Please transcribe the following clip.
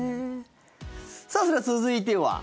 さあ、それでは続いては。